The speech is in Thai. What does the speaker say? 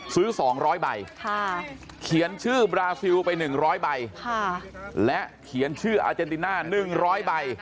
ซื้อ๒๐๐ใบเขียนชื่อบราซิลไป๑๐๐ใบและเขียนชื่ออาเจนติน่า๑๐๐ใบ